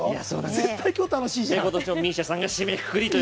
絶対、きょう楽しいじゃん。